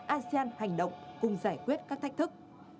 asean hành động cùng giải quyết các thách thức